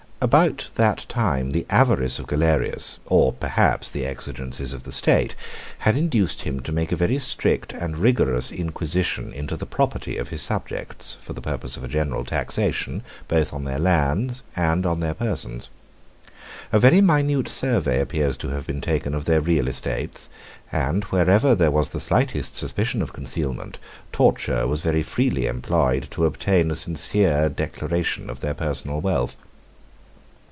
About that time the avarice of Galerius, or perhaps the exigencies of the state, had induced him to make a very strict and rigorous inquisition into the property of his subjects, for the purpose of a general taxation, both on their lands and on their persons. A very minute survey appears to have been taken of their real estates; and wherever there was the slightest suspicion of concealment, torture was very freely employed to obtain a sincere declaration of their personal wealth.